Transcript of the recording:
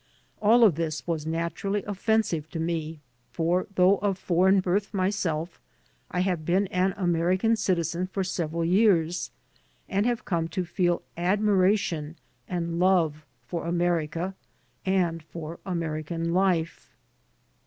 * All of this was naturally offensive to me, for, though of foreign birth myself, I have been an American citizen for several years and have come to feel admiration and love for America and for American life.